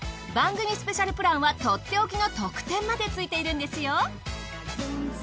番組スペシャルプランはとっておきの特典までついているんですよ。